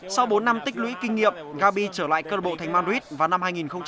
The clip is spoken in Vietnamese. sau bốn năm tích lũy kinh nghiệm gabi trở lại cơ bộ thành madrid vào năm hai nghìn một mươi một